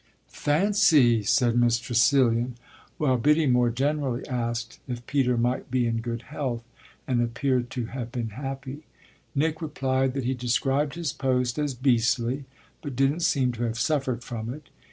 "Fancy!" said Miss Tressilian; while Biddy more generally asked if Peter might be in good health and appeared to have been happy. Nick replied that he described his post as beastly but didn't seem to have suffered from it.